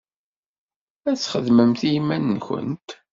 Ad txedmemt i yiman-nwent.